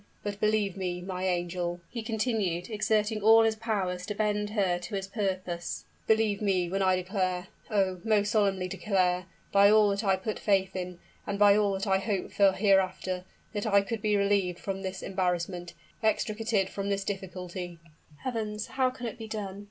"But believe me, my angel," he continued, exerting all his powers to bend her to his purpose, "believe me when I declare oh! most solemnly declare, by all that I put faith in, and by all I hope for hereafter that could I be relieved from this embarrassment extricated from this difficulty " "Heavens! how can it be done?"